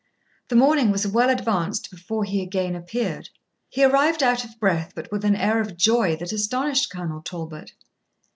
The morning was well advanced before he again appeared. He arrived out of breath, but with an air of joy that astonished Colonel Talbot.